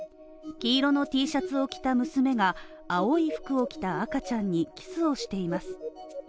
黄色のＴシャツを着た娘が青い服を着た赤ちゃんにキスをしています。